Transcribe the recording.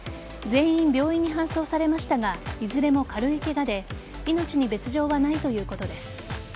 全員病院に搬送されましたがいずれも軽いケガで命に別条はないということです。